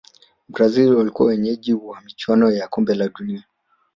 brazil walikuwa wenyeji wa michuano ya kombe la dunia